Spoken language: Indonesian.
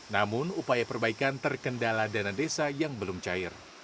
namun upaya perbaikan terkendala dana desa yang belum cair